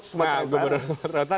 sumpah tengah tanah